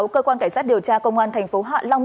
cơ quan cảnh sát điều tra công an thành phố hạ long